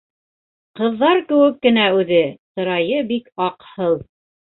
Ҡыҙҙар кеүек кенә үҙе, сырайы бик аҡһыл.